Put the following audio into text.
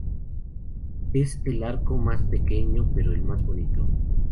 Es el arco más me pequeño pero el más bonito.